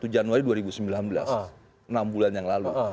satu januari dua ribu sembilan belas enam bulan yang lalu